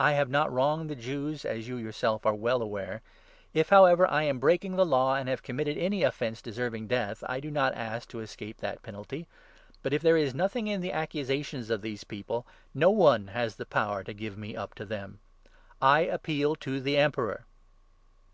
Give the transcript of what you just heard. I have not wronged the Jews, as you yourself are well aware. If, however, I am breaking n the law and have committed any offence deserving death, I do not ask to escape the penalty ; but, if there is nothing in the accusations of these people, no one has the power to give me up to them. I appeal to the Emperor."